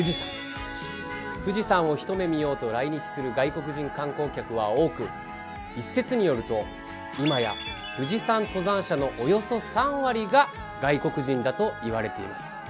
富士山を一目見ようと来日する外国人観光客は多く一説によると今や富士山登山者のおよそ３割が外国人だといわれています。